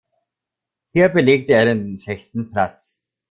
Hier belegte er den sechsten Platz.